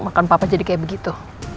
makan papa jadi kayak begitu